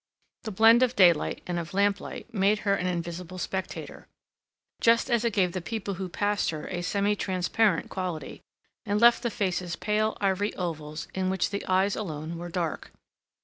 The blend of daylight and of lamplight made her an invisible spectator, just as it gave the people who passed her a semi transparent quality, and left the faces pale ivory ovals in which the eyes alone were dark.